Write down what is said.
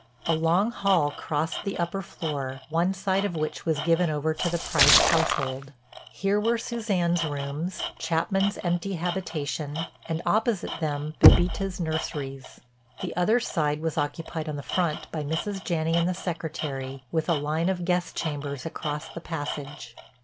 A long hall crossed the upper floor, one side of which was given over to the Price household. Here were Suzanne's rooms, Chapman's empty habitation, and opposite them Bébita's nurseries. The other side was occupied on the front by Mrs. Janney and the Secretary with a line of guest chambers across the passage.